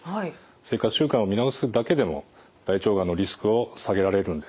生活習慣を見直すだけでも大腸がんのリスクを下げられるんです。